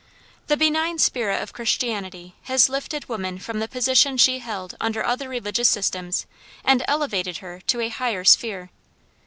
The benign spirit of Christianity has lifted woman from the position she held under other religious systems and elevated her to a higher sphere.